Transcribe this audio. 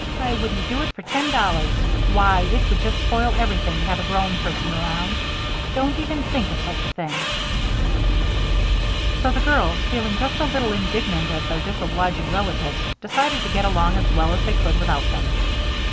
"I wouldn't do it for ten dollars. Why, it would just spoil everything to have a grown person around. Don't even think of such a thing." So the girls, feeling just a little indignant at their disobliging relatives, decided to get along as well as they could without them.